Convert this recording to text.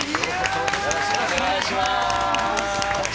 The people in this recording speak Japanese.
よろしくお願いします。